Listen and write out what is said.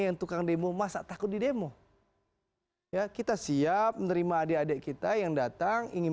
yang tukang demo masa takut di demo ya kita siap menerima adik adik kita yang datang ingin